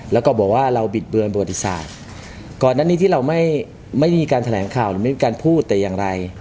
แล้วก็บอกว่าเราบิดเบือนประวัติศาสตร์ก่อนนั้นนี้ที่เราไม่ไม่มีการแถลงข่าวหรือไม่มีการพูดแต่อย่างไร